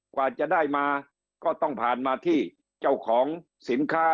กว่าจะได้มาก็ต้องผ่านมาที่เจ้าของสินค้า